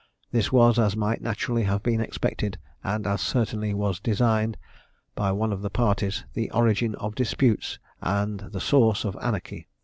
This was, as might naturally have been expected, and as certainly was designed by one of the parties, the origin of disputes and the source of anarchy.